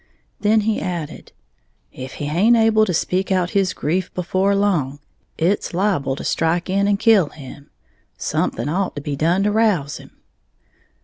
Then he added, "If he haint able to speak out his grief before long, it's liable to strike in and kill him. Something ought to be done to rouse him."